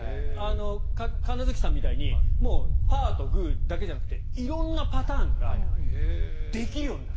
神奈月さんみたいにパーとグーだけじゃなくて色んなパターンができるようになる。